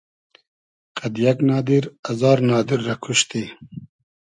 قئد یئگ نادیر ازار نادیر رۂ کوشتی